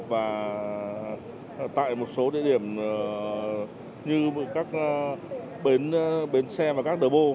và tại một số địa điểm như các bến xe và các đờ bô